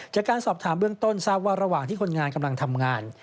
จากการสอบถามเบื้องต้นทราบว่าระหว่างที่คนงานกำลังทำงาน